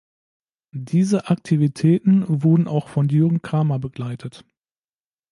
Diese Aktivitäten wurden auch von Jürgen Kramer begleitet.